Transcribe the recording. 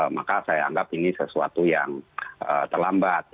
maka saya anggap ini sesuatu yang terlambat